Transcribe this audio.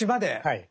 はい。